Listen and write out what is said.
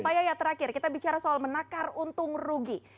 pak yaya terakhir kita bicara soal menakar untung rugi